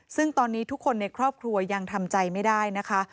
ซึ่งตอนนี้ทุกคนในครอบครัวยังทำใจไม่ได้นะคะ